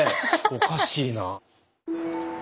おかしいな。